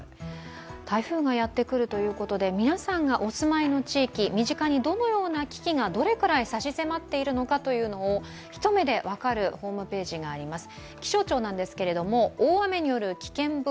台風がやってくるということで皆さんがお住まいの地域身近にどのような危機がどのくらい差し迫っているのかがひと目で分かるホームページがあります。